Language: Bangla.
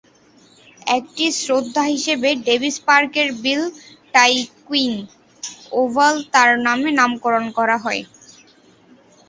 একটি শ্রদ্ধা হিসেবে, ডেভিস পার্কের বিল টাইকুইন ওভাল তার নামে নামকরণ করা হয়।